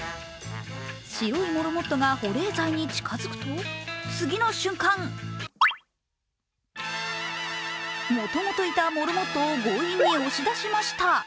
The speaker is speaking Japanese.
白いモルモットが保冷剤に近づくと、次の瞬間もともといたモルモットを強引に押し出しました。